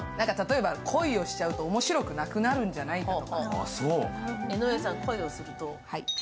恋をしちゃうと面白くなくなるんじゃないかと。